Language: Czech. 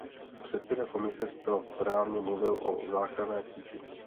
Předseda Komise zcela správně mluvil o záchranné síti.